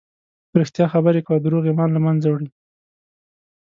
په رښتیا خبرې کوه، دروغ ایمان له منځه وړي.